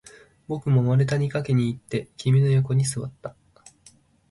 僕も丸太に駆けていって、君の横に座った